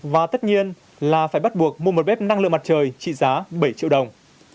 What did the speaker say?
và tất nhiên là phải bắt buộc mua một bếp năng lượng mặt trời trị giá bảy triệu đồng